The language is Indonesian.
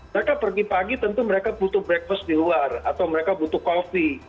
mereka pergi pagi tentu mereka butuh breakfast di luar atau mereka butuh coffee